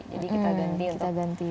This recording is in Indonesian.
jadi kita ganti